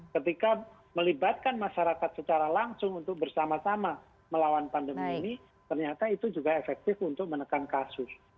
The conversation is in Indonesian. ketika melibatkan masyarakat secara langsung untuk bersama sama melawan pandemi ini ternyata itu juga efektif untuk menekan kasus